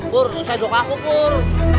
pur sedok aku pur